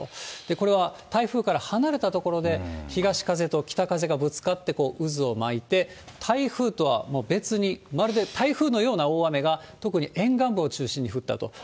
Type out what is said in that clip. これは台風から離れた所で東風と北風がぶつかって、渦を巻いて、台風とはもう別にまるで台風のような大雨が、特に沿岸部を中心に降ったと。